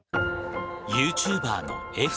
ユーチューバーの笑